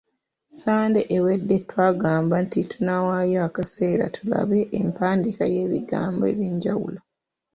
Ssande ewedde twagamba nti tunaawaayo akaseera tulabe empandiika y’ebigambo eby’enjawulo.